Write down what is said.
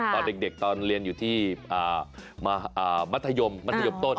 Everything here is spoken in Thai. ตอนเด็กตอนเรียนอยู่ที่มัธยมมัธยมต้น